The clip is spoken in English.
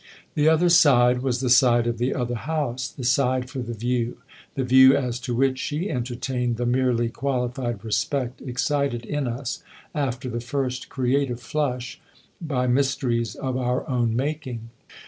The other side was the side of the other house, the side for the view the view as to which she entertained ihe merely qualified respect excited in us, after the first creative flush, by mysteries of our own making.